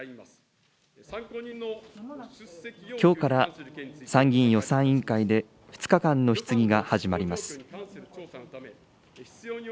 きょうから参議院予算委員会で、２日間の質疑が始まります。